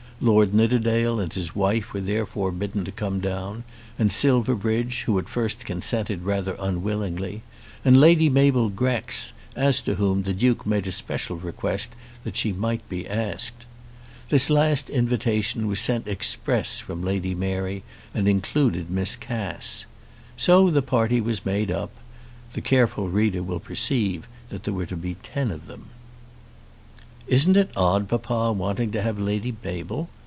Lord Nidderdale and his wife were therefore bidden to come down, and Silverbridge, who at first consented rather unwillingly, and Lady Mabel Grex, as to whom the Duke made a special request that she might be asked. This last invitation was sent express from Lady Mary, and included Miss Cass. So the party was made up. The careful reader will perceive that there were to be ten of them. "Isn't it odd papa wanting to have Lady Mabel?"